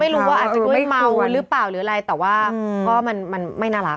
หรือว่าอาจจะด้วยเมาหรือเปล่าหรืออะไรแต่ว่าก็มันไม่น่ารัก